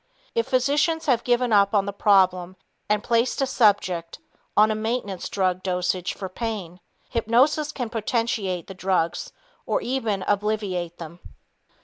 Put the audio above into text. If physicians have given up on the problem and placed a subject on a maintenance drug dosage for pain, hypnosis can potentiate the drugs or even obviate them.